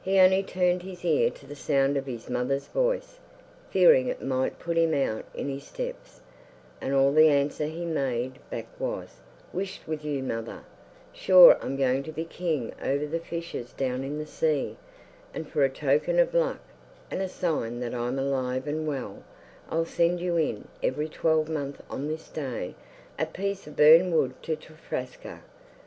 He only turned his ear to the sound of his mother's voice, fearing it might put him out in his steps, and all the answer he made back was, 'Whisht with you mother sure I'm going to be king over the fishes down in the sea, and for a token of luck, and a sign that I'm alive and well, I'll send you in, every twelvemonth on this day, a piece of burned wood to Trafraska.